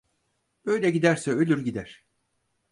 Böyle giderse ölür gider...